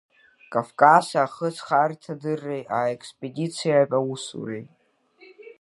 Кавказ ахыҵхырҭадырреи аекспедициатә усуреи.